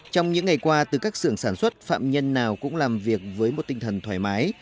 trong những ngày qua từ các xưởng sản xuất phạm nhân nào cũng làm việc với một tinh thần thoải mái